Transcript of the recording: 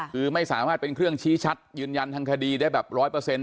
คือไม่สามารถเป็นเครื่องชี้ชัดยืนยันทางคดีได้แบบร้อยเปอร์เซ็น